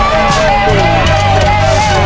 เร็วเร็วเร็ว